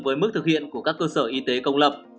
với mức thực hiện của các cơ sở y tế công lập